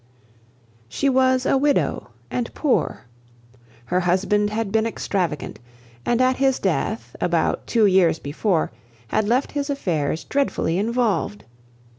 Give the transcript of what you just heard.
She was a widow and poor. Her husband had been extravagant; and at his death, about two years before, had left his affairs dreadfully involved.